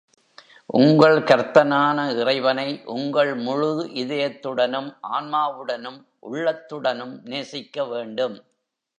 உங்கள் கர்த்தனான இறைவனை உங்கள் முழு இதயத்துடனும், ஆன்மாவுடனும், உள்ளத்துடனும் நேசிக்க வேண்டும்.